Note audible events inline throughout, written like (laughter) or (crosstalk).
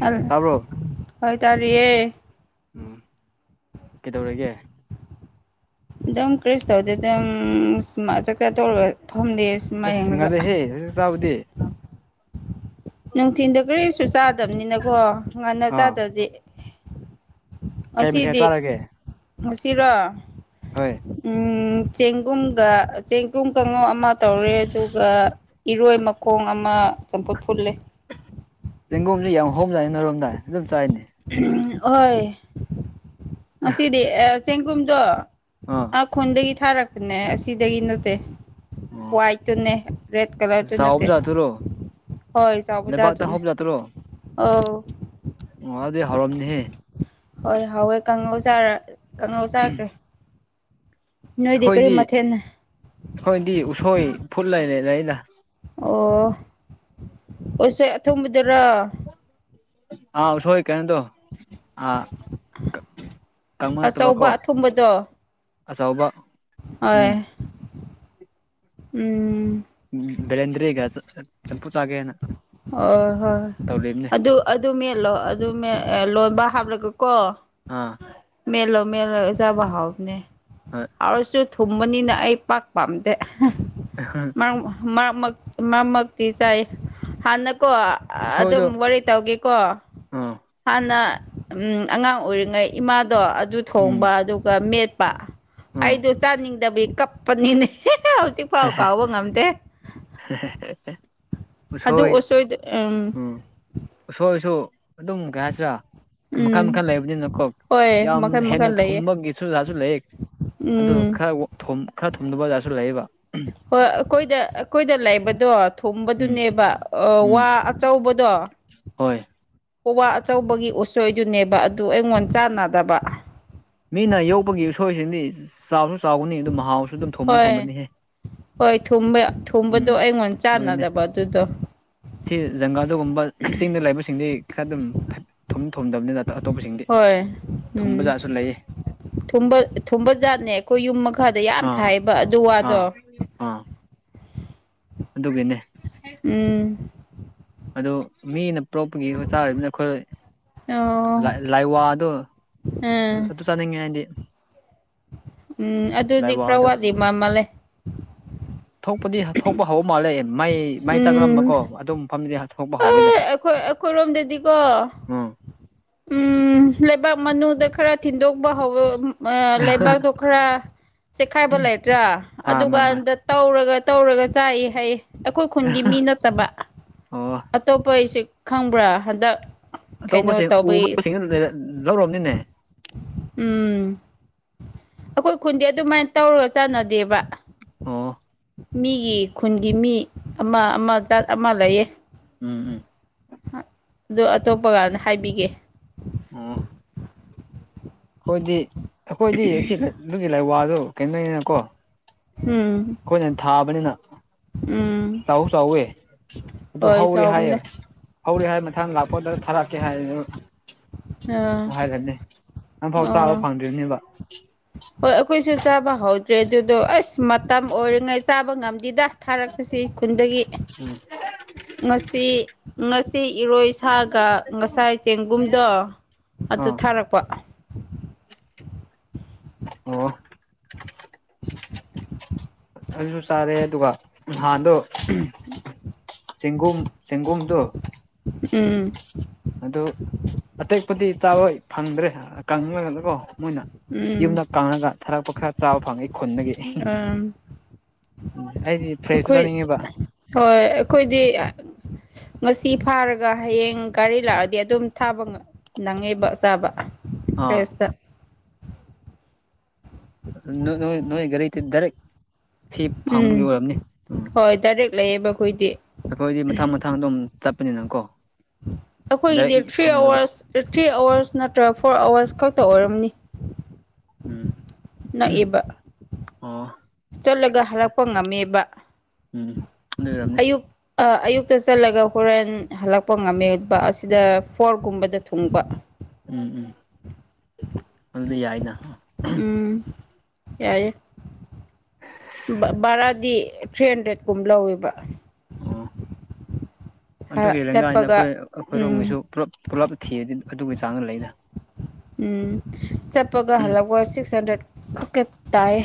ꯍ ꯇꯥꯕ꯭ꯔꯣ ꯍꯣꯏ ꯇꯥꯔꯤꯌꯦ ꯎꯝ ꯀꯩꯗꯧꯔꯒꯦ ꯑꯗꯨꯝ ꯀ꯭ꯔꯁ ꯇꯧꯗ ꯑꯗꯨꯝ ꯆꯥꯛꯆꯥ ꯇꯧꯔꯒ ꯐꯝꯂꯤ ꯁꯤꯃꯥ ꯑꯁ ꯌꯦꯡꯂꯒ ꯉꯗꯦꯍꯦ ꯍꯧ ꯆꯥꯎꯕꯗꯤꯦ ꯅꯨꯡꯊꯤꯟꯜꯗ ꯀꯔꯤꯁꯨ ꯆꯥꯗꯕꯅꯤꯅꯀꯣ ꯉꯟꯅ ꯑꯥ ꯆꯥꯗ꯭ꯔꯗꯤ ꯀꯩ ꯃꯊꯦꯜ ꯉꯁꯤꯗꯤ ꯆꯥꯔꯒꯦ ꯉꯁꯤꯔ ꯍꯣꯏ ꯆꯦꯡꯒꯨꯝꯒ ꯆꯦꯡꯒꯨꯝ ꯀꯥꯡꯉꯧ ꯑꯃ ꯇꯧꯔꯦ ꯑꯗꯨꯒ ꯏꯔꯣꯏ ꯃ ꯈꯣꯡ ꯑꯃ ꯆꯝꯐꯨꯠ ꯐꯨꯜ ꯂꯦ ꯆꯦꯡꯒꯣꯝꯁ ꯌꯥꯝ ꯍꯣꯡꯝꯗꯥꯏꯅꯤ ꯅꯔꯣꯝꯗꯥꯏ ꯑꯗꯨꯝ ꯆꯥꯏꯅꯤ ꯎꯝ ꯍꯣꯏ ꯉꯁꯤꯗꯤ ꯆꯦꯡꯒꯨꯝꯗꯣ ꯑꯥ ꯑꯥ ꯈꯨꯟꯗꯒꯤ ꯊꯥꯔꯛꯄꯅꯦ ꯑꯁꯤꯗꯒꯤ ꯅꯠꯇꯦ ꯑꯣ ꯍꯋꯥꯏꯠ ꯇꯅꯦ ꯔꯦꯠ ꯀꯂꯔ ꯇ ꯅꯠꯇꯦ ꯆꯥꯎꯕꯖꯥꯠꯇꯨꯔꯣ ꯍꯣꯏ ꯆꯕꯖ ꯂꯩꯕꯥꯛꯇ ꯑꯗꯨꯅ ꯑ ꯑꯣꯗ ꯍꯔꯝꯅꯤꯍꯦ ꯍꯣꯏ ꯍꯥꯎꯋꯦ ꯀꯥꯡꯉꯧ ꯀꯥꯡꯉꯧ ꯆꯥꯈ꯭ꯔꯦ ꯅꯣꯏ ꯗꯀꯔꯤ ꯑꯩꯈꯣꯏꯗꯤ ꯃꯊꯅ ꯑꯩꯈꯣꯏꯗꯤ ꯎꯁꯣꯏ ꯐꯨꯠ ꯂꯩꯔꯦꯗꯩꯗ ꯑꯣ ꯑꯣꯁꯣꯏ ꯑꯊꯪꯕꯗꯨꯔꯣ ꯑꯥꯎ ꯁꯣꯏ ꯀꯅꯤꯗꯣ ꯑ ꯀꯪ ꯑꯆꯧꯕ ꯅꯠꯇꯕꯀꯣ ꯑꯊꯨꯝꯕꯗꯣ ꯑꯆꯧꯕ ꯍꯣꯏ ꯎꯝ ꯎꯝ ꯎꯝ ꯕ꯭ꯂꯦꯟꯟ꯭ꯔꯦꯒ ꯆꯄꯨ ꯆꯥꯒꯦ ꯌꯦꯅ ꯑꯣ ꯍꯣꯏ ꯑꯗꯨ ꯑꯗꯨ ꯃꯦꯜꯂꯣ ꯑꯗꯨ ꯃ ꯂꯣꯏꯕ ꯍꯥꯞꯂꯒꯀꯣ ꯍꯥꯥ ꯃꯦꯜꯂꯣ ꯃꯦꯂꯣ ꯃꯖꯕ ꯍꯕꯅꯦ ꯍꯣꯏ ꯍꯥꯎꯔꯁꯨ ꯊꯨꯝꯕꯅꯤꯅ ꯑꯩ ꯄꯥꯛ ꯄꯥꯝꯗꯦ ꯑꯍ ꯃꯔꯛ ꯃꯔꯛ ꯃꯔꯛꯇꯤ ꯆꯥꯏ ꯍꯥꯟꯅꯀꯣ ꯑꯗꯨꯝ ꯎꯁꯣꯏꯗꯣ ꯋꯥꯔꯤ ꯇꯧꯒꯦꯀꯣ ꯑꯥ ꯍꯥꯟꯅ ꯑꯉꯥꯡ ꯑꯣꯏꯔꯤꯉꯩ ꯏꯃꯥꯗꯣ ꯑꯗꯨ ꯎꯝ ꯊꯣꯡꯕ ꯑꯗꯨꯒ ꯃꯦꯠꯄ ꯑꯥ ꯑꯩꯗ ꯆꯥꯅꯤꯡꯗꯕꯤ ꯀꯞꯄꯅꯤꯅꯦ ꯍꯧꯖꯤꯛꯐꯥꯎ ꯀꯥꯎꯕ ꯉꯝꯗꯦ ꯑꯗꯨ ꯎꯁꯣꯏ ꯎꯁꯣꯏꯗ ꯎꯝ ꯑꯁꯣꯏꯁꯨ ꯑꯗꯨꯝ ꯀꯩ ꯍꯥꯏꯁꯤꯔꯥ ꯃꯈꯜ ꯎꯝ ꯃꯈꯥ ꯂꯩꯕꯅꯤꯅꯀꯣ ꯍꯣꯏ ꯌꯥꯝ ꯃꯈꯜ ꯍꯦꯟꯅ ꯃꯈꯜ ꯂꯩꯌꯦ ꯊꯨꯝꯕꯒꯤꯁꯨ ꯖꯥꯁꯨ ꯂꯩꯌꯦ ꯑꯗꯨ ꯎꯝ ꯈꯔ ꯈꯔ ꯊꯣꯗꯕ ꯑꯣꯖꯥꯔꯁꯨ ꯂꯩꯌꯦꯕ ꯍꯣꯏ ꯑꯩꯈꯣꯏꯗ ꯑꯩꯈꯣꯏꯗ ꯂꯩꯕꯗꯣ ꯎꯝ ꯊꯨꯝꯕꯗꯨꯅꯦꯕ ꯎꯝ ꯋꯥ ꯑꯆꯧꯕꯗꯣ ꯍꯣꯏ ꯍꯋꯥ ꯑꯆꯧꯕꯒꯤ ꯎꯠꯁꯣꯏꯗꯨꯅꯦꯕ ꯑꯗꯨ ꯑꯩꯉꯣꯟꯗ ꯆꯥꯟꯅꯗꯕ ꯃꯤꯅ ꯌꯣꯛꯄꯒꯤ ꯎꯁꯣꯏꯁꯤꯗꯤ ꯆꯥꯎꯁꯨ ꯆꯥꯎꯒꯅꯤ ꯑꯗꯨ ꯃꯍꯥꯎꯁꯨ ꯑꯗꯨꯝ ꯊꯣꯅꯤ ꯍꯣꯏ ꯊꯣꯝꯅꯤꯍꯦ ꯍꯣꯏ ꯊꯨꯝꯕ ꯊꯨꯝꯕꯗꯣ ꯑꯩꯉꯣꯟꯗ ꯑꯗꯨꯒꯤꯅꯦ ꯆꯥꯟꯅꯗꯕ ꯑꯗꯨꯗꯣ ꯁꯤ ꯖꯪꯒꯥꯜꯗꯨꯒꯨꯝꯕ ꯆꯤꯡꯗ ꯂꯩꯕꯁꯤꯡꯗꯤ ꯈꯔ ꯑꯗꯨꯝ ꯊꯨꯝ ꯊꯣꯝꯗꯕꯅꯤꯅ ꯑꯇꯣꯞꯄꯁꯤꯡꯗꯤ ꯊꯨꯝꯕ ꯖꯥꯔꯠꯁꯨ ꯂꯩꯌꯦ ꯊ ꯊꯨꯝꯕ ꯖꯥꯠꯅꯦ ꯑꯩꯈꯣꯏ ꯌꯨꯝ ꯃꯈꯥꯗ ꯌꯥꯝ ꯊꯥꯏꯕ ꯑꯗꯨ ꯋꯥꯗꯣ ꯑ ꯑꯗꯨꯒꯤꯅꯦ ꯎꯝ ꯑꯗꯣ ꯃꯤꯅ ꯑꯇꯣꯞꯄꯒꯤ ꯆꯥꯔꯤꯕꯅꯤꯅ ꯑꯩꯈꯣꯏ ꯑꯣ ꯂꯥꯏ ꯋꯥꯗꯣ ꯎꯝ ꯆꯥꯅꯤꯡꯉꯦ ꯍꯥꯢꯔꯗꯤ ꯎꯝ ꯑꯗꯨꯗꯤ ꯈꯔ ꯂꯥꯏꯋꯥꯗꯣ ꯋꯥꯠꯂꯤ ꯃꯥ ꯃꯥꯜꯂꯦ ꯊꯣꯛꯄꯗꯤ ꯊꯣꯛꯄ ꯍꯧꯕ ꯃꯥꯜꯂ ꯃꯩ ꯃꯥꯏ ꯎꯝ ꯆꯥꯛꯒꯠꯂꯝꯕꯀꯣ ꯑꯗꯨ ꯃꯐꯝꯗꯨꯗꯤ ꯊꯣꯛꯄ ꯍꯧꯢꯅꯦ ꯑꯩ ꯑꯩꯈꯣꯏ ꯑꯩꯈꯣꯏꯔꯣꯝꯗꯗꯤꯀꯣ ꯎꯝ ꯎꯝ ꯂꯩꯕꯥꯛ ꯃꯅꯨꯡꯗ ꯈꯔ ꯊꯤꯟꯗꯣꯛꯄ ꯍꯧ ꯂꯩꯕꯥꯛꯇꯣ ꯈꯔ ꯆꯦꯛꯈꯥꯏꯕ ꯂꯩꯇ꯭ꯔꯥ ꯃꯥ ꯃꯥ ꯃꯥ ꯑꯗꯨꯒꯥꯟꯗ ꯇꯧꯔꯒ ꯇꯧꯔꯒ ꯆꯥꯛꯏ ꯍꯥꯏꯌꯦ ꯑꯩꯈꯣꯏ ꯈꯨꯟꯒꯤ ꯃꯤ ꯅꯠ ꯅꯠꯇꯕ ꯑꯣ ꯑꯇꯣꯞꯄ ꯑꯩꯁꯨ ꯈꯪꯕ꯭ꯔꯥ ꯍꯟꯗꯛ ꯀꯩꯅꯣ ꯑꯇꯣꯞꯄꯁꯤꯡ ꯇꯧꯕꯩ ꯎꯕꯁꯤꯡ ꯂꯧꯔꯝꯅꯤꯅꯦ ꯎꯝ ꯑꯩꯈꯣꯏ ꯈꯨꯟꯗꯤ ꯑꯗꯨꯃꯥꯏꯅ ꯇꯧꯔꯒ ꯆꯥꯟꯅꯗꯦꯕ ꯑꯣ ꯃꯤꯒꯤ ꯈꯨꯟꯒꯤ ꯃꯤ ꯑꯃ ꯑꯃ ꯖꯥꯠ ꯑꯃ ꯂꯩꯌꯦ ꯎꯝ ꯎꯝ ꯑ ꯑꯇꯣꯞꯄꯒꯥꯟꯗ ꯍꯥꯏꯕꯤꯒꯦ ꯑꯣ ꯑꯩꯈꯣꯏꯗꯤ ꯑꯩꯈꯣꯏꯗꯤ ꯁꯤ ꯑꯗꯨꯒꯤ ꯂꯩ ꯋꯥꯗꯨ ꯀꯩꯅꯣꯅꯤꯅꯀꯣ ꯎꯝ ꯑꯩꯈꯣꯏꯅ ꯊꯥꯕꯅꯤꯅ ꯎꯝ ꯆꯥꯎ ꯆꯥꯎꯋꯦ ꯑꯗꯨ ꯍꯣꯏ ꯍꯧꯔꯦ ꯆꯥꯎꯕꯅꯦ ꯍꯥꯏꯌꯦꯕ ꯍꯧꯔꯦ ꯍꯥꯏ ꯃꯊꯪ ꯂꯥꯛꯄꯗ ꯊꯥꯔꯛꯀꯦ ꯍꯥꯏ ꯑꯥ ꯍꯥꯏꯔꯅꯤ ꯅꯪꯐꯥꯎ ꯆꯥꯕ ꯑꯥ ꯐꯪꯗ꯭ꯔꯤꯕꯅꯦꯕ ꯍꯣꯏ ꯑꯩꯈꯣꯏꯁꯨ ꯆꯥꯕ ꯍꯧꯗ꯭ꯔꯦ ꯑꯗꯨꯗꯣ ꯑꯁ ꯃꯇꯝ ꯑꯣꯏꯔꯤꯉꯩ ꯆꯥꯕ ꯉꯝꯗꯦꯗ ꯊꯥꯔꯛꯄꯁꯤ ꯈꯨꯟꯗꯒꯤ ꯎꯝ ꯉꯁꯤ ꯉ ꯁꯤ ꯏꯔꯣꯏ ꯁꯥꯒ ꯉꯁꯥꯏ ꯆꯦꯡꯒꯨꯝꯗꯣ ꯑꯗꯨ ꯑꯥ ꯊꯥꯔꯛꯄ ꯑꯣ ꯑꯗꯨꯁꯨ ꯆꯥꯔꯦ ꯑꯗꯨꯒ ꯅꯍꯥꯜꯗꯣ ꯆꯦꯡꯒꯨꯝ ꯆꯦꯡꯒꯨꯝꯗꯣ ꯎꯝ ꯑꯗꯨ ꯑꯇꯩꯄꯨꯗꯤ ꯆꯥꯕꯥ ꯐꯪꯗ꯭ꯔꯦ ꯀꯥꯡꯂꯒ ꯒꯣ ꯃꯣꯏꯅ ꯎꯝ ꯌꯨꯝꯗ ꯀꯥꯟꯉꯒ ꯊꯔꯛꯄ ꯈꯔ ꯆꯥꯕ ꯐꯪꯉꯦ ꯈꯨꯟꯗꯒꯤ ꯑꯥ ꯎꯝ ꯑꯩꯗꯤ ꯐ꯭ꯔꯦꯁꯁꯨ ꯑꯩꯈꯣꯏ ꯆꯥꯅꯤꯡꯉꯦꯕ ꯍꯣꯏ ꯑꯩꯈꯣꯏꯗꯤ ꯉꯁꯤ ꯐꯥꯔꯒ ꯍꯌꯦꯡ ꯒꯥꯔꯤ ꯂꯥꯛꯑꯗꯤ ꯑꯗꯨꯝ ꯊꯥꯕ ꯅꯪꯉꯦꯕ ꯆꯥꯕ ꯑꯥ ꯐꯔꯦꯁꯇ ꯅꯣꯏ ꯅꯣꯏꯒꯔꯤꯗꯤ ꯗꯥꯢꯔꯦꯛ ꯁꯤ ꯐꯪꯕꯒꯤ ꯎꯝ ꯑꯣꯏꯔꯝꯅꯤ ꯎꯝ ꯍꯣꯏ ꯗꯥꯏꯔꯦꯛ ꯂꯩꯌꯦꯕ ꯑꯩꯈꯣꯏꯗꯤ ꯑꯩꯈꯣꯏꯗꯤ ꯃꯊꯥꯡ ꯃꯊꯥꯡ ꯑꯗꯨꯝ ꯆꯠꯄꯅꯤꯅꯀꯣ ꯑꯩꯈꯣꯏꯒꯤꯗꯤ ꯗꯥꯏꯔꯦꯛ ꯊ꯭ꯔꯤ ꯐꯪꯒꯗꯕ ꯑꯋꯔꯁ ꯊ꯭ꯔꯤ ꯑꯋꯔꯁ ꯅꯠꯇ꯭ꯔꯒ ꯐꯣꯔ ꯑꯋꯔꯁ ꯈꯛꯇ ꯑꯣꯏꯔꯝꯅꯤ ꯎꯝ ꯅꯥꯛꯏꯕ ꯑꯣ ꯆꯠꯂꯒ ꯍꯥꯏꯔꯛꯄ ꯉꯝꯃꯦꯕ ꯎꯝ ꯑꯗꯨ ꯑꯣꯏꯔꯝꯅꯤ ꯑꯌꯨꯛ ꯑꯌꯨꯛꯇ ꯆꯠꯂꯒ ꯍꯣꯔꯦꯟ ꯍꯜꯂꯛꯄ ꯉꯝꯃꯦꯕ ꯑꯁꯤꯗ ꯐꯣꯔꯒꯨꯝꯕꯗ ꯊꯨꯡꯕ ꯎꯝ ꯎꯝ ꯑꯗꯨꯗꯤ ꯌꯥꯏꯅ ꯎꯝ ꯌꯥꯏꯌꯦ ꯚꯔꯥꯗꯤ ꯊ꯭ꯔꯤ ꯍꯟꯗ꯭ꯔꯦꯗꯀꯨꯝ ꯂꯧꯋꯦꯕ ꯑꯣ ꯑꯗꯨꯒꯤ ꯂꯦꯡꯒꯥꯥꯅꯤꯗ ꯑꯩꯈꯣꯏ ꯆꯠꯄꯒ ꯎꯝ ꯑꯩꯈꯣꯏꯔꯣꯝꯒꯤꯁꯨ ꯄꯨꯂꯞ ꯄꯨꯜꯂꯞ ꯊꯤꯗꯤ ꯑꯗꯨꯒꯤ ꯆꯥꯡꯅ ꯂꯩꯅ ꯎꯝ ꯆꯠꯄꯒ ꯍꯜꯂꯞꯒ ꯁꯤꯛꯁ ꯍꯟꯗ꯭ꯔꯦꯗ ꯈꯛꯀ ꯇꯥꯏ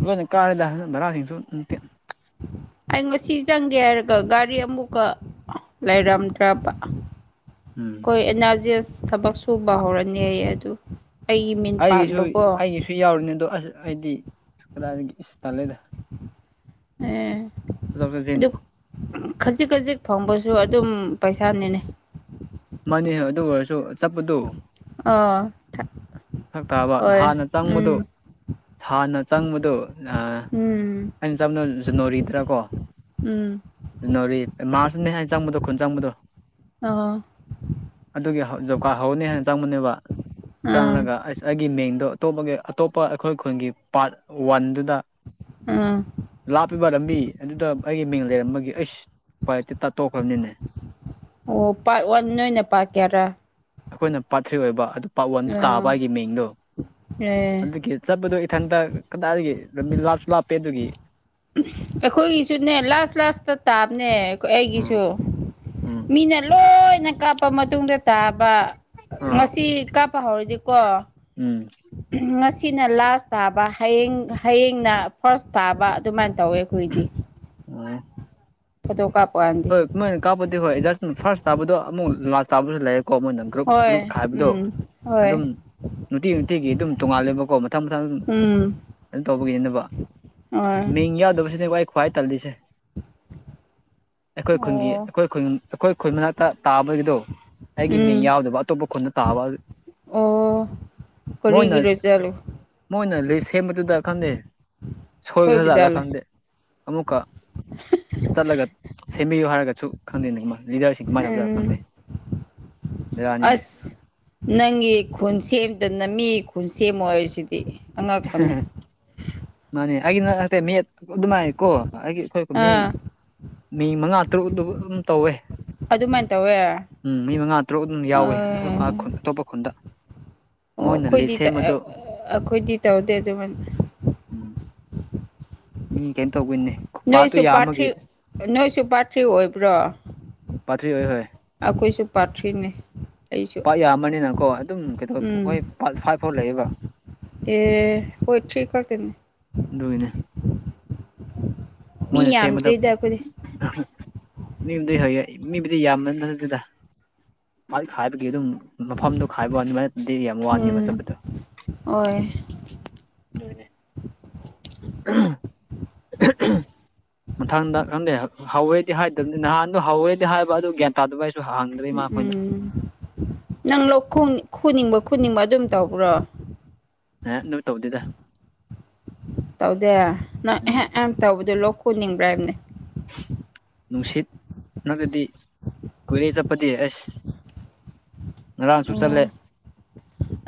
ꯎ ꯂꯣꯏꯅ ꯀꯥꯔꯦꯗ ꯚꯔꯥꯁꯤꯡꯁꯨꯇ ꯑꯩ ꯉꯁꯤ ꯆꯪꯒꯦ ꯍꯥꯏꯔꯒ ꯒꯥꯔꯤ ꯑꯃꯨꯛꯀ ꯂꯩꯔꯝꯗ꯭ꯔꯕ ꯎꯝ ꯍꯣꯏ ꯑꯦꯅꯥꯖꯤꯦꯁ ꯊꯕꯛ ꯁꯨꯕ ꯍꯧꯔꯅꯤ ꯑꯩ ꯑꯗꯨ ꯑꯩꯒꯤ ꯃꯤꯡ ꯑꯩꯒꯤꯁꯨ ꯄꯥꯟꯕꯀꯣ ꯑꯩꯒꯤꯁꯨ ꯌꯥꯎꯔꯤꯅꯤ ꯑꯗꯣ ꯑꯁ ꯑꯩꯗꯤ ꯀꯗꯥꯏ ꯏꯁ ꯇꯜꯂꯗꯦꯗ ꯑ ꯆꯠꯊꯣꯛ ꯆꯠꯁꯤꯟ ꯑꯗꯨ ꯈꯖꯤꯛ ꯈꯖꯤꯛ ꯐꯪꯕꯁꯨ ꯑꯗꯨꯝ ꯄꯩꯁꯥꯅꯤꯅꯦ ꯃꯥꯅꯦ ꯑꯗꯨ ꯑꯣꯏꯔꯁꯨ ꯆꯠꯄꯗꯨꯣ ꯑꯣ ꯐꯔꯛ ꯇꯥꯕ ꯍꯥꯟꯅ ꯆꯪꯕꯗꯨ ꯍꯥꯟꯅ ꯆꯪꯕꯗꯨ ꯎꯝ ꯑꯩꯅ ꯆꯝꯅ ꯖꯅꯣꯔꯤꯗꯔ ꯀꯣ ꯎꯝ ꯖꯅꯋꯥꯔꯤ ꯃꯥꯔꯁꯅꯦ ꯍꯥꯏꯅ ꯆꯪꯕꯗꯣ ꯈꯨꯟ ꯆꯪꯕꯗꯣ ꯑꯣ ꯑꯗꯨꯒꯤ ꯖꯣꯕꯀꯥꯔ ꯍꯧꯔꯅꯤ ꯍꯥꯏꯅ ꯆꯪꯕꯅꯦꯕ ꯑꯥ ꯆꯪꯉꯒ ꯑꯁ ꯑꯩꯒꯤ ꯃꯤꯡꯗꯣ ꯑꯇꯣꯞꯄꯒꯤ ꯑꯇꯣꯞꯄ ꯑꯩꯈꯣꯏ ꯈꯨꯟꯒꯤ ꯄꯥꯔꯠ ꯋꯥꯟꯗꯨꯗ ꯑꯝ ꯂꯥꯞꯄꯤꯕ ꯂꯝꯕꯤ ꯑꯗꯨꯗ ꯑꯩꯒꯤ ꯃꯤꯡ ꯂꯩꯔꯝꯕꯒꯤ ꯑꯩꯁ ꯄꯔꯦꯠꯇꯤ ꯇꯥꯠꯇꯣꯛꯈ꯭ꯔꯕꯅꯤꯅꯦ ꯑꯣ ꯄꯥꯔ ꯋꯥꯟ ꯅꯣꯏ ꯑꯣꯏꯅ ꯄꯥꯛꯔꯀꯦꯔꯥ ꯑꯩꯈꯣꯏꯅ ꯄꯥꯔꯠ ꯊ꯭ꯔꯤ ꯑꯣꯏꯕ ꯑꯗꯨ ꯄꯥꯔꯠ ꯋꯥꯟꯗ ꯑꯥ ꯇꯥꯕ ꯑꯩꯒꯤ ꯃꯤꯡꯗꯣ ꯑꯦ ꯑꯗꯨꯒꯤ ꯆꯠꯄꯗꯣ ꯏꯊꯟꯇ ꯀꯗꯥꯏꯗꯒꯤ ꯂꯝꯕꯤ ꯂꯥꯞꯁꯨ ꯂꯥꯞꯄꯦ ꯑꯗꯨꯒꯤ ꯑꯩꯈꯣꯏꯒꯤꯁꯨꯅꯦ ꯂꯥꯁ ꯂꯥꯁꯇ ꯇꯥꯕꯅꯦ ꯎꯝ ꯑꯩꯒꯤꯁꯨ ꯎꯝ ꯃꯤꯅ ꯂꯣꯏꯅ ꯀꯥꯞꯄ ꯃꯇꯨꯡꯗ ꯇꯥꯕ ꯑꯥ ꯉꯁꯤ ꯀꯥꯞꯄ ꯍꯧꯥꯔꯗꯤꯀꯣ ꯎꯝ ꯉꯁꯤꯅ ꯂꯥꯁ ꯇꯥꯕ ꯍꯌꯦꯡ ꯍꯌꯦꯡꯅ ꯐꯥꯔꯁ ꯇꯥꯕ ꯑꯗꯨꯃꯥꯏꯅ ꯇꯧꯋꯦ ꯑꯩꯈꯣꯏꯗꯤ ꯑ ꯀꯗꯣ ꯀꯞꯄ ꯃꯣꯏꯅ ꯀꯥꯞꯄꯗꯤ ꯍꯣꯏ ꯖꯁ ꯐꯥꯔꯁ ꯇꯥꯗꯣ ꯑꯃꯨꯛ ꯂꯥꯁ ꯇꯥꯕꯁꯨ ꯂꯩꯔ ꯀꯣ ꯃꯣꯏꯅ ꯒ꯭ꯔꯨꯞ ꯒ꯭ꯔꯨꯞ ꯍꯣꯏ ꯍꯥꯏꯕꯗꯣ ꯎꯝ ꯍꯣꯏ ꯑꯗꯨꯝ ꯅꯨꯡꯇꯤ ꯅꯨꯡꯇꯤꯒꯤ ꯑꯗꯨꯝ ꯇꯣꯡꯉꯥꯜꯂꯦꯕꯀꯣ ꯃꯊꯪ ꯃꯊꯪ ꯑꯗꯨꯝ ꯎꯝ ꯑꯗꯨꯝ ꯇꯧꯕꯒꯤꯅꯤꯅꯕ ꯍꯣꯏ ꯃꯤꯡ ꯌꯥꯎꯗꯕꯁꯤꯅꯦꯀ ꯑꯩ ꯈ꯭ꯋꯥꯏ ꯇꯜꯂꯤꯁꯦ ꯑꯩꯈꯣꯏ ꯈꯨꯟꯒꯤ ꯑꯣ ꯑꯩꯈꯣꯏ ꯈꯨ ꯑꯩꯈꯣꯏ ꯈꯨꯟ ꯃꯅꯥꯛꯇ ꯇꯥꯕꯒꯤꯗꯣ ꯑꯩꯒꯤ ꯃꯤꯡ ꯎꯝ ꯌꯥꯎꯗꯕ ꯑꯇꯣꯞꯄ ꯈꯨꯟꯗ ꯇꯥꯕ ꯃꯣꯏꯅ ꯀꯔꯤꯒꯤꯔꯣ ꯆꯂꯨ ꯃꯣꯏꯅ ꯂꯤꯁ ꯁꯦꯝꯕꯗꯨꯗ ꯈꯪꯗꯦ ꯁꯣꯏꯕꯁꯨ ꯁꯣꯏꯕ ꯂꯠꯂ ꯖꯥꯠꯂ ꯈꯪꯗꯦ ꯑꯃꯨꯛꯀ ꯆꯠꯂꯒ ꯁꯦꯝꯕꯤꯌꯨ ꯍꯥꯏꯔꯒꯁꯨ ꯈꯪꯗꯦ ꯑꯗꯨꯃ ꯂꯤꯗꯔꯁꯤꯡ ꯀꯃꯥꯏꯅ ꯇꯧꯖꯥꯔꯒ ꯎꯝ ꯈꯪꯗꯦ ꯕꯦꯔꯥꯅꯤꯅꯦ ꯑꯁ ꯅꯪꯒꯤ ꯈꯨꯟ ꯁꯦꯝꯗꯅ ꯃꯤ ꯈꯨꯟ ꯁꯦꯝꯃꯣ ꯍꯥꯏꯁꯤꯗꯤ ꯁꯤ ꯑꯉꯛꯄꯅꯤ ꯃꯥꯅꯦ ꯑꯩꯒꯤ ꯍꯥꯏꯦ ꯃꯤꯠ ꯑꯗꯨꯃꯥꯏ ꯀꯣ ꯑꯩꯒꯤ ꯑꯩꯈꯣꯏ ꯃꯤ ꯑꯥ ꯃꯤ ꯃꯉꯥ ꯇꯔꯨꯛꯗꯨ ꯑꯗꯨꯝ ꯇꯧꯋꯦ ꯑꯗꯨꯃꯥꯏꯅ ꯇꯧꯋꯦ ꯑꯥ ꯎꯝ ꯃꯤ ꯃꯉꯥ ꯇꯔꯨꯛ ꯑꯗꯨꯝ ꯌꯥꯎꯋꯤ ꯑꯣ ꯈꯨꯟ ꯑꯇꯣꯞꯄ ꯈꯨꯟꯗ ꯑꯣ ꯃꯣꯏꯅ ꯑꯩꯈꯣꯏꯗꯤ ꯂꯤꯁ ꯁꯦꯝꯕꯗꯣ ꯑꯩꯈꯣꯏꯗꯤ ꯇꯧꯗꯦ ꯑꯗꯨꯃꯅ ꯎꯝ ꯃꯤ ꯀꯩꯅꯣ ꯇꯧꯗꯣꯏꯅꯦ ꯅꯣꯏꯁꯨ ꯄꯥꯊ꯭ꯔꯤ ꯅꯣꯏꯁꯨ ꯄꯥꯊ꯭ꯔꯤ ꯑꯣꯏꯕ꯭ꯔꯣ ꯄꯥꯊ꯭ꯔꯤ ꯑꯣꯏ ꯍꯣꯏ ꯑꯩꯈꯣꯏꯁꯨ ꯄꯥꯊ꯭ꯔꯤꯅꯦ ꯄꯥꯠ ꯌꯥꯃꯅꯤꯅꯀꯣ ꯑꯗꯨꯝ ꯀꯩꯗꯣ ꯎꯝ ꯑꯩꯈꯣꯏ ꯄꯥꯠ ꯐ ꯏꯚ ꯐꯥꯎ ꯂꯩꯌꯦꯕ ꯑꯦ ꯍꯣꯏ ꯊ꯭ꯔꯤꯈꯛꯇꯅꯦ ꯑꯗꯨꯒꯤꯅꯦ ꯃꯤ ꯃꯣꯏꯅ ꯁꯦꯝꯕꯗ ꯌꯥꯝꯗ꯭ꯔꯤꯗ ꯑꯩꯈꯣꯏꯗꯤ (unintelligible) ꯃꯤ ꯍꯣꯏ ꯃꯤꯕꯨꯗꯤ ꯌꯥꯝꯅ ꯅꯠꯇꯦꯗ ꯑꯗꯨꯗ ꯃ ꯈꯥꯏꯕꯒꯤ ꯑꯗꯨꯝ ꯃꯐꯝꯗꯣ ꯈꯥꯏꯕ ꯑꯗꯨꯃꯥꯏꯅꯗꯤ ꯌꯥꯝ ꯋꯥꯅꯤꯕ ꯆꯠꯄꯗꯣ ꯑꯣꯏ ꯑꯗꯨꯅꯦ (unintelligible) ꯃꯊꯪꯗ ꯈꯪꯗꯦ ꯍꯧꯔꯦꯗꯤ ꯍꯥꯏꯗꯕꯗꯤ ꯅꯍꯥꯟꯗꯨ ꯍꯧꯔꯦꯗꯤ ꯍꯥꯏꯕ ꯑꯗꯨ ꯒ꯭ꯌꯥꯟ ꯇꯥꯗꯕ ꯑꯩꯁꯨ ꯍꯪ ꯎꯝ ꯅꯪ ꯂꯧ ꯈꯨꯅꯤꯡꯕ ꯈꯨꯅꯤꯡꯕ ꯑꯗꯨꯝ ꯇꯧꯕ꯭ꯔꯣ ꯑꯦ ꯅꯣꯏ ꯇꯧꯗꯦꯗ ꯇꯧꯗꯦ ꯅꯪ ꯎꯝ ꯑꯦꯍ ꯑꯦ ꯇꯧꯕꯗꯣ ꯂꯣꯛ ꯈꯣꯟꯅꯤꯡꯕ꯭ꯔꯥ ꯍꯥꯏꯕꯅꯦ ꯅꯨꯡꯁꯤꯠꯅꯒꯗꯤ ꯀꯨꯏꯔꯦ ꯆꯠꯄꯗꯤ ꯑꯁ ꯉꯔꯥꯡꯁꯨ ꯆꯠꯂꯦ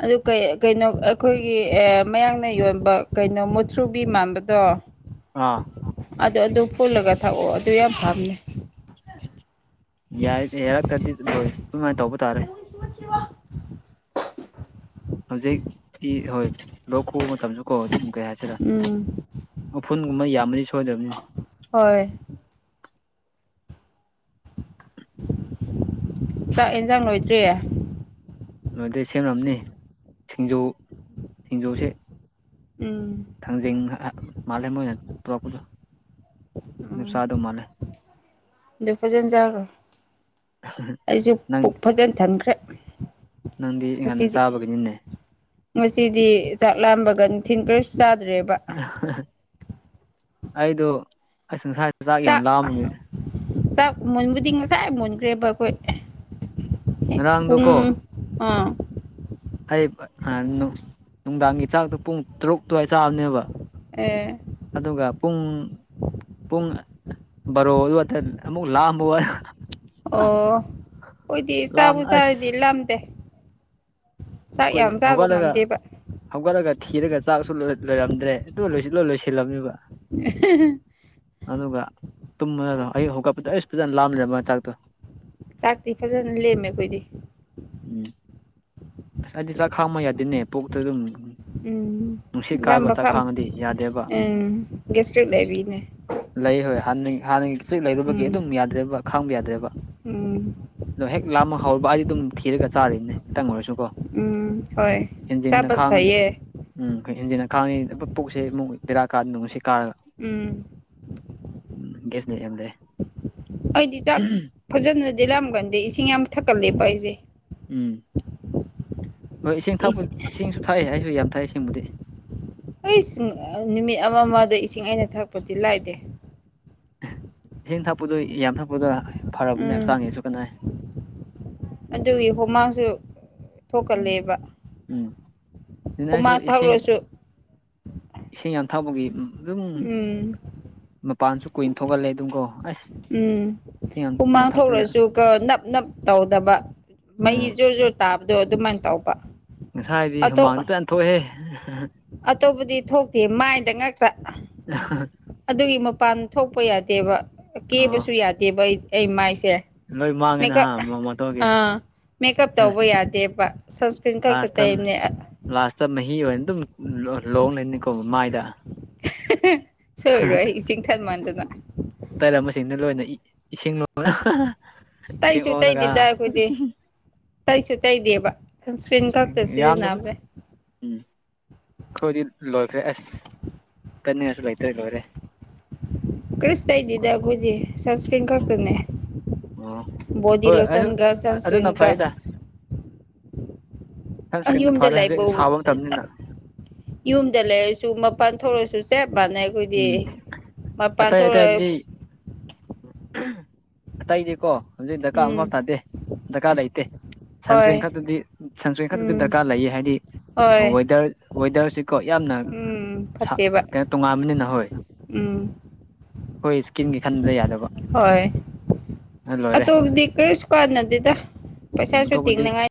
ꯑꯗꯨ ꯀꯩꯅꯣ ꯑꯩꯈꯣꯏꯒꯤ ꯃꯌꯥꯡꯅ ꯌꯣꯟꯕ ꯀꯩꯅꯣ ꯃꯨꯊ꯭ꯔꯨꯕꯤ ꯃꯥꯟꯕꯗꯣ ꯑꯥ ꯑꯗꯨ ꯑꯗꯨ ꯐꯨꯜꯂꯒ ꯊꯥꯛꯑꯣ ꯑꯗꯨ ꯌꯥꯝ ꯐꯥꯕꯅꯦ ꯌꯥꯏ ꯌꯥꯔꯛꯇꯗꯤ ꯍꯣꯏ ꯑꯗꯨꯃꯥꯏꯅ ꯇꯧꯕ ꯇꯥꯔꯦ (unintelligible) ꯍꯧꯖꯤꯛ ꯏ ꯍꯣꯏ ꯂꯣꯛ ꯈꯨꯕ ꯃꯇꯝꯁꯨ ꯀꯣ ꯑꯗꯨꯝ ꯀꯩ ꯍꯥꯏꯁꯦ ꯎꯝ ꯎꯐꯨꯟꯒꯨꯝꯕ ꯌꯥꯝꯃꯔꯤ ꯁꯣꯏꯗꯕꯅꯤ ꯍꯣꯏ ꯆꯥꯛ ꯏꯟꯖꯥꯡ ꯂꯣꯏꯗ꯭ꯔꯤ ꯑꯗꯨꯗꯩ ꯁꯦꯝꯃꯝꯅꯤ ꯁꯤꯡꯖꯨ ꯁꯤꯡꯖꯨꯁꯦ ꯎꯝ ꯊꯥꯡꯖꯤꯡ ꯃꯥꯜꯂꯦ ꯃꯣꯏꯅ ꯄꯣꯔꯛꯄꯗꯣ ꯎꯝ ꯅꯨꯆꯥꯗ ꯃꯥꯜꯂꯦ ꯑꯗꯨ ꯐꯖꯟ ꯆꯥꯒꯔꯣ ꯑꯩꯁꯨ ꯅꯪ ꯄꯨꯛ ꯐꯖꯟ ꯊꯟꯈ꯭ꯔꯦ ꯅꯪꯗꯤ ꯉꯥꯟꯅꯥ ꯉꯁꯤꯗꯤ ꯆꯥꯕꯒꯤꯅꯤꯅꯦ ꯉꯁꯤꯗꯤ ꯆꯥꯛ ꯂꯥꯝꯕꯒꯥ ꯅꯨꯡꯊꯤꯟ ꯀꯔꯤꯁꯨ ꯆꯥꯗ꯭ꯔꯦꯕꯥ ꯑꯗꯨ ꯑꯁ ꯉꯁꯥꯏ ꯌꯥꯝ ꯆꯥꯛ ꯂꯥꯝꯕꯒꯤ ꯆꯥꯛ ꯃꯨꯟꯕꯗꯤ ꯉꯁꯥꯏꯅ ꯃꯨꯟꯈ꯭ꯔꯦꯕꯥ ꯑꯩꯈꯣꯏ ꯄꯨꯡ ꯉꯔꯥꯡꯗꯣꯀꯣ ꯑꯥ ꯑꯩ ꯁꯥꯅꯨ ꯅꯨꯡꯗꯥꯡꯒꯤ ꯆꯥꯛꯇꯣ ꯄꯨꯡ ꯇꯔꯨꯛ ꯑꯗꯨꯋꯥꯏ ꯆꯥꯕꯅꯦꯕꯥ ꯑꯦ ꯑꯗꯨꯒꯥ ꯄꯨꯡ ꯄꯨꯡ ꯕꯥꯔꯣ ꯑꯗꯨꯋꯥꯗꯥ ꯑꯃꯨꯛ ꯂꯥꯝꯕꯥ ꯋꯥꯏ ꯑꯣ ꯑꯩꯈꯣꯏꯗꯤ ꯆꯥꯕꯨ ꯂꯥꯝꯅ ꯑꯁ ꯆꯥꯔꯗꯤ ꯂꯝꯗꯦ ꯑꯩꯈꫭꯏ ꯍꯧꯒꯠꯔꯒ ꯍꯧꯒꯠꯂꯒꯥ ꯊꯤꯔꯒꯥ ꯆꯥꯛꯁꯨ ꯂꯣꯏꯔꯝꯗ꯭ꯔꯦ ꯑꯗꯨꯒꯥ ꯂꯣꯏꯁꯤꯂꯣ ꯂꯣꯏꯁꯤꯜꯂꯝꯃꯤꯕ (unintelligible) ꯑꯗꯨꯒꯥ ꯇꯨꯝꯕꯗꯣ ꯑꯌꯨꯛ ꯍꯧꯒꯠꯄꯗ ꯑꯩꯁ ꯐꯖꯅ ꯂꯥꯝꯃꯥ ꯂꯩꯔꯝꯕ ꯋꯥꯅꯤ ꯆꯥꯛꯇꯣ ꯆꯥꯛꯇꯤ ꯐꯖꯅꯥ ꯂꯦꯝꯃꯤ ꯑꯩꯈꯣꯏꯗꯤ ꯎꯝ ꯑꯁ ꯑꯩꯗꯤ ꯆꯥꯛ ꯈꯥꯡꯕꯥ ꯌꯥꯗꯅꯦ ꯄꯣꯛꯇꯥ ꯑꯗꯨꯝ ꯎꯝ ꯅꯨꯡꯁꯤꯠ ꯀꯥꯏꯕ ꯂꯝꯕ ꯆꯥꯛ ꯈꯥꯡ ꯈꯥꯡꯉꯗꯤ ꯌꯥꯗꯦꯕ ꯎꯝ ꯒꯦꯁꯇ꯭ꯔꯤꯛ ꯂꯩꯕꯤꯅꯦ ꯂꯩ ꯍꯣꯏ ꯍꯥꯟ ꯍꯥꯟꯅꯒꯤ ꯒꯥꯇꯤꯛ ꯂꯩꯔꯨꯕꯒꯤ ꯎꯝ ꯑꯗꯨꯝ ꯌꯥꯗꯦ ꯌꯥ꯭ꯔ°ꯕꯥ ꯈꯥꯡꯕ ꯌꯥꯗ꯭ꯔꯦꯕ ꯎꯝ ꯑꯗꯣ ꯍꯦꯛ ꯂꯥꯝꯕꯥ ꯍꯧꯔꯕ ꯑꯩꯗꯤ ꯑꯗꯨꯝ ꯊꯤꯔꯒꯥ ꯆꯥꯔꯤꯅꯤ ꯈꯤꯇꯪ ꯑꯣꯏꯔꯁꯨ ꯎꯝ ꯍꯣꯏ ꯆꯥꯕꯥ ꯈꯥꯡꯉ ꯐꯩꯌꯦ ꯎꯝ ꯍꯦꯟꯖꯤꯟꯅꯥ ꯈꯥꯡꯉꯤ ꯄꯨꯛꯁꯦ ꯑꯃꯨꯛ ꯕꯔꯥ ꯀꯥꯔꯗꯧꯕꯥ ꯅꯨꯡꯁꯤꯠ ꯀꯥꯔꯒꯥ ꯎꯝ ꯒꯌꯥꯁ ꯂꯩꯔꯝꯗ° ꯑꯩꯗꯤ ꯆꯥꯛ ꯐꯖꯅꯗꯤ ꯂꯥꯑꯒꯟꯗꯥꯗꯤ ꯏꯁꯤꯡ ꯌꯥꯝ ꯊꯛꯀꯠꯂꯦꯄꯥ ꯑꯩꯁꯦ꯫ ꯎꯝ ꯍꯣꯏ ꯏꯁꯤꯡ ꯊꯥꯛꯄ ꯏꯁꯤꯡꯁꯨ ꯊꯥꯛꯑ ꯑꯩꯁꯨ ꯌꯥꯝ ꯊꯥꯏ ꯏꯁꯤꯡꯕꯨꯗꯤ ꯑꯏ ꯅꯨꯃꯤꯠ ꯑꯃꯥ ꯑꯃꯥꯗ ꯏꯁꯤꯡ ꯑꯩꯅ ꯊꯛꯄꯗꯤ ꯂꯥꯏꯗꯦ ꯏꯁꯤꯡ ꯊꯛꯄꯗꯣ ꯌꯥꯝ ꯊꯛꯄꯗꫭ ꯐꯔꯝꯅꯤ ꯍꯛꯆꯥꯡꯒꯤꯁꯨ ꯀꯥꯅꯩ ꯑꯗꯨꯒꯥ ꯍꯨꯃꯥꯡꯁꯨꯅꯤ ꯎꯝ ꯊꯣꯛꯀꯜꯂꯦꯕꯥ ꯎꯝ ꯑꯗꯨꯅ ꯑꯩꯁꯨ ꯎꯃꯥꯡ ꯏꯁꯤꯡ ꯊꫭꯛꯔꯁꯨ꯫ ꯏꯁꯤꯡ ꯌꯥꯝꯅ ꯊꯛꯄꯒꯤ ꯑꯗꯨꯝ ꯎꯝ ꯃꯄꯥꯟꯁꯨ ꯀꯨꯏꯅ ꯊꯣꯛꯍꯜꯂꯦꯕ ꯑꯗꯨꯒꯥ ꯀꯣ ꯎꯝꯝ ꯍꯨꯃꯥꯡ ꯊꯛꯄꯅꯤꯅ ꯊꯣꯛꯂꯁꯨ ꯀꫭ ꯅꯞ ꯅꯞ ꯇꯧꯗꯕꯥ꯫ ꯃꯍꯤ ꯎꯝ ꯖꯣꯔ ꯖꯣꯔ ꯇꯥꯕꯗꯣ ꯑꯗꯨꯃꯥꯏꯅ ꯇꯧꯕ꯫ ꯉꯁꯥꯏꯗꯤ ꯍꯨꯃꯥꯡꯗꯤ ꯍꯖꯅꯥ ꯊꯣꯛꯑꯦ ꯍꯦ ꯍꯥꯍꯥ ꯑꯇꯣꯞ ꯄꯗꯤ ꯊꯣꯛꯇꯦ ꯃꯥꯏꯗꯥ ꯉꯛꯇꯥ꯫ (unintelligible) (inaudible) ꯑꯗꯨꯒꯤ ꯃꯄꯥꯟ ꯊꯣꯛꯄꯥꯁꯨ ꯌꯥꯗꯦꯕꯥ ꯑꯣ ꯀꯦꯕꯁꯨ ꯌꯥꯗꯦꯕꯥ ꯑꯩꯒꯤ ꯃꯥꯏꯁꯦ ꯂꯣꯏ ꯃꯥꯡꯉꯦ ꯃꯦꯀꯞ ꯅꯍꯥ ꯃꯣꯇꯣꯔꯒꯤ ꯑꯥꯑ ꯃꯦꯀꯞ ꯇꯧꯕ ꯌꯥꯗꯦꯕꯥ ꯁꯟ ꯂꯥꯁꯇ ꯂꯥꯁꯇ ꯃꯍꯤ ꯑꯣꯏꯅ ꯑꯗꯨꯝ ꯔꫭꯡ ꯂꯩꯅꯤꯀꯣ ꯃꯥꯏꯗꯥ꯫ ꯍꯤꯍꯤ ꯁꯣꯏꯔꯣꯏ ꯑꯩ ꯏꯁꯤꯡ ꯊꯟꯃꯥꯟꯗꯅꯥ꯫ ꯇꯩꯔꯝꯕꯥ ꯁꯤꯡꯗꯨ ꯂꯣꯏꯅ ꯏꯁꯤꯡ ꯂꯣꯒ ꯏꯁꯤꯡ ꯇꯩꯁꯨ ꯑꯣꯉꯒꯥ꯫ ꯇꯩꯗꯦꯗ ꯑꯩꯈꯣꯏꯗꯤ ꯇꯩꯁꯨ ꯇꯩꯗꯦꯕꯥ꯫ ꯎ ꯌꯥꯝꯗꯕꯤ ꯑꯝ ꯑꯩꯈꯣꯏꯗꯤ ꯂꯣꯏꯈ꯭ꯔꯦ ꯑꯥꯁ ꯇꯩꯅꯤꯉꯥꯏ ꯁꯨ ꯂꯩꯇꯔ꯭ꯦ ꯂꫭꯏꯔꯦ ꯀ꯭ꯔꯤꯁꯨ ꯇꯧꯗꯦ ꯗꯥ ꯑꯩꯈꫭꯏꯗꯤ ꯁꯟꯀꯤꯟ ꯁ꯭ꯇ꯭ꯁꯔꯤꯡ ꯎꯝ ꯈꯛꯇꯅꯦ ꯑꯣ ꯕꯣꯗꯤ ꯍꯣꯏ ꯑꯗꯨ ꯂꯣꯁꯟꯒꯥ ꯑꯗꯨꯅ ꯁꯟꯁ꯭ꯔꯤꯡꯒꯥ꯫ ꯐꯩꯗ ꯑꯩ ꯁꯟꯁꯀ꯭ꯔꯤꯟꯅ ꯌꯨꯝꯗ ꯐꯔꯦ ꯍꯧꯖꯤꯛ ꯂꯩꯕꯥ ꯋꯥ ꯁꯥꯕ ꯃꯇꯝꯅꯤꯅ ꯌꯨꯝꯗꯥ ꯂꯩꯔꯁꯨ ꯃꯄꯥꯟ ꯊꯣꯛꯑꯁꯨ ꯆꯞ ꯃꯥꯟꯅꯩ꯫ ꯑꯗꯨꯏꯗꯤ ꯎꯝ ꯃꯄꯥꯟ ꯑꯇꯩ ꯊꯣꯛꯑꯥꯒ꯫ ꯑꯇꯩꯗꯤ ꯑꯇꯩꯗꯤꯀꯣ ꯍꯧꯖꯤꯛ ꯗꯔꯀꯥꯔ ꯎꯝ ꯑꯃꯐꯥꯎꯕꯥ ꯇꯥꯗꯦ ꯗꯔꯀꯥꯔ ꯂꯩꯇꯦ꯫ ꯍꯣꯏ ꯁꯟꯁꯀ꯭ꯔꯤꯟ ꯈꯛꯇꯗꯤ ꯁꯟꯁꯀ꯭ꯔꯤꯟ ꯈꯛꯇꯗꯤ ꯎꯝ ꯗꯔꯀꯥꯔ ꯂꯩꯌꯦ ꯍꯥꯏꯕꯗꯤ꯫ ꯍꯣꯏ ꯋꯦꯗꯔ ꯋꯦꯗꯔꯁꯤꯀꯣ ꯌꯥꯝꯅ ꯎꯝ ꯐꯠꯇꯦꯕ ꯀꯩꯅꯣ ꯇꯣꯉꯥꯟꯕꯅꯤꯅ ꯑꯍꯣꯏ ꯎꯝ ꯑꯩꯈꯣꯏ ꯏꯁꯀꯤꯟꯒꯤ ꯈꯟꯕꯗ ꯌꯥꯗꯕ ꯍꯣꯏ ꯂꯣꯏꯔꯦ ꯑꯇꯣꯞꯕꯨꯗꯤ ꯀꯔꯤꯁꯨ ꯀꯥꯟꯅꯗꯦꯗ ꯎꯝ ꯄꯩꯁꯥꯁꯨ ꯑꯇꯣꯞꯄꯗꯤ ꯇꯤꯡꯅꯉꯥꯏ